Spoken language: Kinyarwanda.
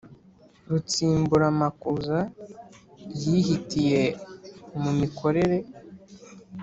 Rutsimburamakuza yihitiye mu mikore